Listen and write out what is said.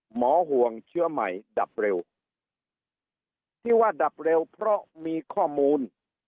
ห่วงเชื้อใหม่ดับเร็วที่ว่าดับเร็วเพราะมีข้อมูล